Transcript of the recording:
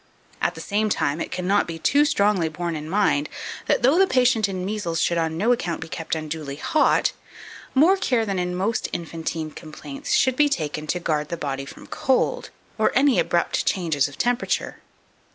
At the same time it cannot be too strongly borne in mind, that though the patient in measles should on no account be kept unduly hot, more care than in most infantine complaints should be taken to guard the body from cold, or any abrupt changes of temperature.